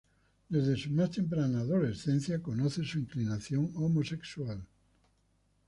Desde su más temprana adolescencia conoce su inclinación sexual homosexual.